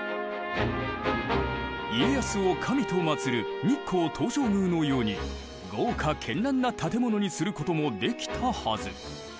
家康を神と祀る日光東照宮のように豪華けんらんな建物にすることもできたはず。